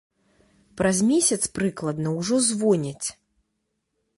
Праз месяц прыкладна ўжо звоняць.